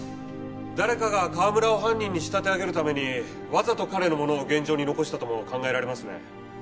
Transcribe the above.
誰かが川村を犯人に仕立て上げるためにわざと彼のものを現場に残したとも考えられますね。